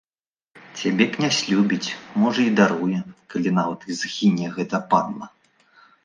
Цябе князь любіць, можа, і даруе, калі нават і згіне гэты падла.